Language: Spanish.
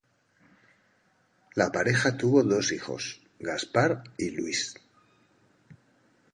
La pareja tuvo dos hijos: Gaspar y Luis.